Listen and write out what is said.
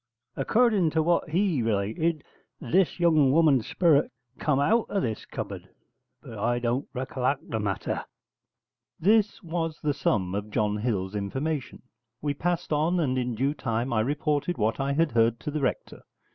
According to what he related, this young woman's sperit come out of this cupboard: but I don't racollact the matter.' This was the sum of John Hill's information. We passed on, and in due time I reported what I had heard to the Rector.